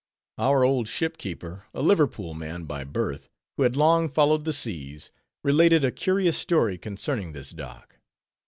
Our old ship keeper, a Liverpool man by birth, who had long followed the seas, related a curious story concerning this dock.